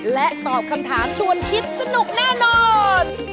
และตอบคำถามชวนคิดสนุกแน่นอน